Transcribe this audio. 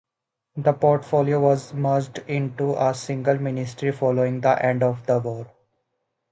The portfolio was merged into a single ministry following the end of the war.